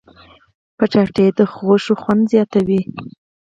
کچالو د غوښو خوند زیاتوي